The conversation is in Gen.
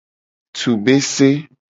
Tsu bese.